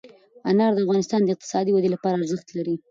انار د افغانستان د اقتصادي ودې لپاره ارزښت لري.